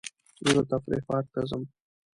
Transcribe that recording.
زه د تفریح پارک ته ځم.